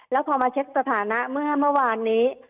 แล้วพอมาเช็คสถานะเมื่อเมื่อวานนี้